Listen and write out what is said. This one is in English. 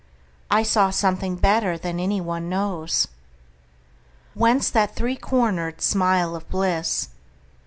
I saw something better than any one knows. Whence that three corner'd smile of bliss?